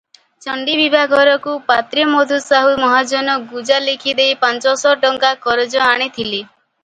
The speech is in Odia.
ଚଣ୍ଡୀ ବିଭାଘରକୁ ପାତ୍ରେ ମଧୁସାହୁ ମହାଜଙ୍କୁ ଗୁଜା ଲେଖିଦେଇ ପାଞ୍ଚଶ ଟଙ୍କା କରଜ ଆଣିଥିଲେ ।